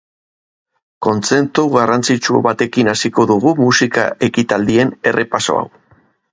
Kontzertu garrantzitsu batekin hasiko dugu musika ekitaldien errepaso hau.